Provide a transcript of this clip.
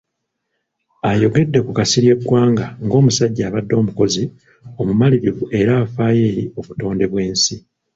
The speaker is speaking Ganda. Ayogedde ku Kasirye Ggwanga ng'omusajja abadde omukozi, omumalirivu era afaayo eri obutonde bw'ensi.